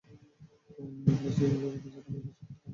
আপনি বলেছেন গুরু যেকোনো কিছু করতে পারে?